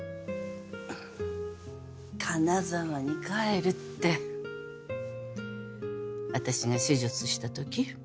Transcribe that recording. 金沢に帰るって私が手術した時？